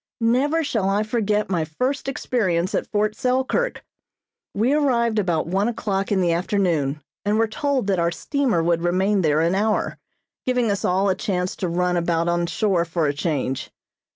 Never shall I forget my first experience at Fort Selkirk. We arrived about one o'clock in the afternoon and were told that our steamer would remain there an hour, giving us all a chance to run about on shore for a change.